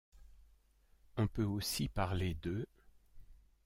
On peut aussi parler de '.